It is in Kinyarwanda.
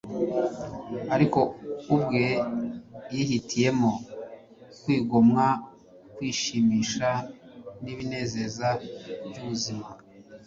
Ariko ubwe yihitiyemo kwigomwa kwishimisha n'ibinezeza by'ubuzima